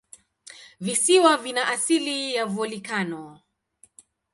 Visiwa vina asili ya volikano.